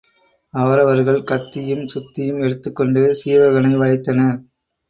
அவரவர்கள் கத்தியும் சுத்தியும் எடுத்துக்கொண்டு சீவகனை வளைத்தனர்.